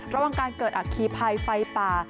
ระวังการเกิดอักขีไภไฟป่า